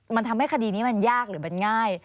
มันทำให้คดีนี้มันยากหรือมันง่าย